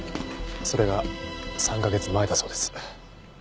それが３カ月前だそうです。